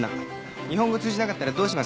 日本語通じなかったらどうします？